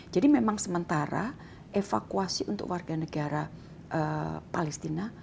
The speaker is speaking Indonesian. jadi memang sementara evakuasi untuk warga negara palestina